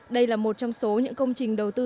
đây là một trong số những công trình đầu tư